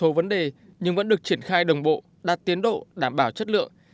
không có vấn đề nhưng vẫn được triển khai đồng bộ đạt tiến độ đảm bảo chất lượng